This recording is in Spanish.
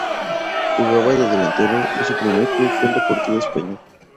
Jugaba de delantero y su primer club fue Deportivo Español.